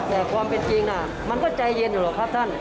แต่ความเป็นจริงมันก็ใจเย็นอยู่หรอกครับท่าน